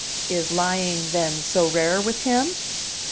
"Is lying, then, so rare with him?"